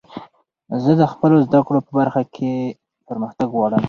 زه د خپلو زدکړو په برخه کښي پرمختګ غواړم.